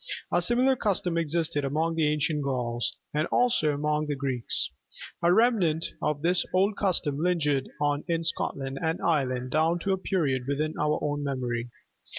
A similar custom existed among the ancient Gauls and also among the Greeks. A remnant of this old custom lingered on in Scotland and Ireland down to a period within our own memory.